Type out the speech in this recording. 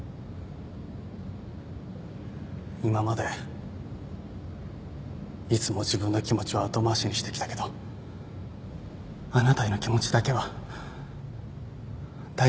今までいつも自分の気持ちは後回しにしてきたけどあなたへの気持ちだけは大事にしたいから。